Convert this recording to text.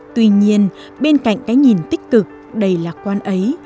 tuy nhiên bên cạnh cái nhìn tích cực đầy lạc quan ấy